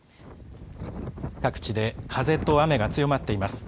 各地で風と雨が強まっています。